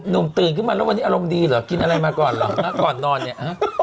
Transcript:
นุ่มตื่นขึ้นมาแล้ววันนี้อารมณ์ดีเหรอกินอะไรมาก่อนเนี่ย